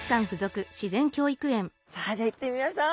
さあじゃあ行ってみましょう！